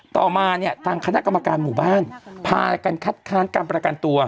ต่อมาเนี่ยทางคณะกรรมการหมู่บ้านพากันคัดค้านการประกันตัว